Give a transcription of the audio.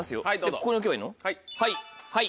ここに置けばいい？